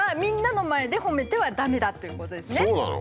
そうなの？